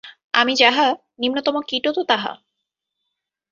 আমি যাহা, নিম্নতম কীটও তো তাহা।